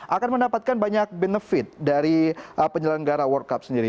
akan mendapatkan banyak benefit dari penyelenggara world cup sendiri